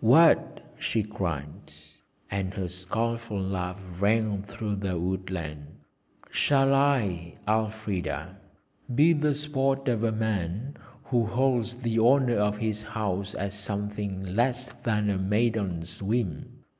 'What!' she cried, and her scornful laugh rang through the woodland, 'shall I, Elfrida, be the sport of a man who holds the honour of his house as something less than a maiden's whim?